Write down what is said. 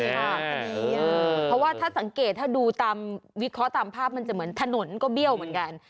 เพราะว่าถ้าสังเกตถ้าดูตามวิเคราะห์ตามภาพมันจะเหมือนถนนก็เบี้ยวเหมือนกัน